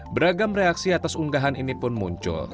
beragam reaksi atas unggahan ini pun muncul